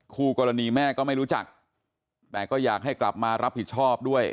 คู่กรณีแม่ก็ไม่รู้จักแต่ก็อยากให้กลับมารับผิดชอบด้วย